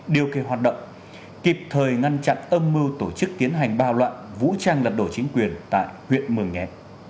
điều kỳ hoạt động kịp thời ngăn chặn âm mưu tổ chức tiến hành bạo loạn vũ trang lật đổ chính quyền tại huyện mường nhé